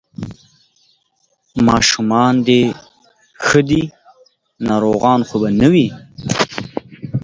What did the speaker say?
ماشومان دې ښه دي، ناروغان خو به نه وي؟